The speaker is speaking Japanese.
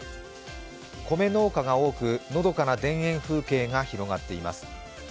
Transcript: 米農家が多く、のどかな田園風景が広がっています。